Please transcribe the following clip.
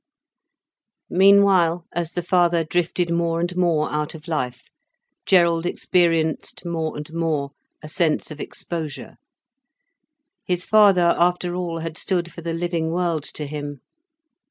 Meanwhile, as the father drifted more and more out of life, Gerald experienced more and more a sense of exposure. His father after all had stood for the living world to him.